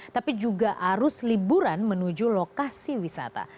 tapi juga arus liburan menuju lokasi wisata